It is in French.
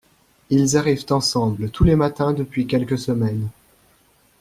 Ils arrivent ensemble tous les matins depuis quelques semaines.